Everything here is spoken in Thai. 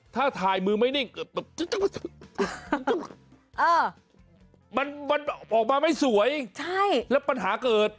ถ้าถ่ายมือไม่นิ่งเกิดแบบมันออกมาไม่สวยแล้วปัญหาเกิด